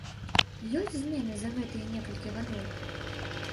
Ёсць змены за гэтыя некалькі гадоў?